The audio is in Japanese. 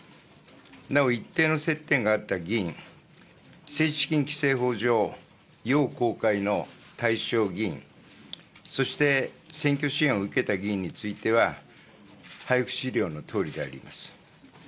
なお、一定の接点があった議員、政治資金規正法上、要公開の対象議員、そして、選挙支援を受けた議員については、配布資料のとおりであります。